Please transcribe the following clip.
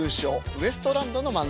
ウエストランドの漫才。